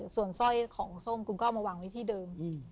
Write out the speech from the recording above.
ส่วนสร้อยของส้มคุณก็เอามาวางไว้ที่เดิม